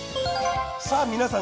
さぁ皆さん